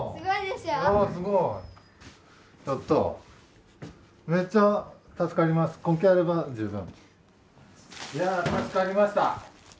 いやあ助かりました。